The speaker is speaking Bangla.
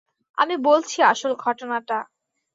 আমি বলছি আসল ঘটনাটা।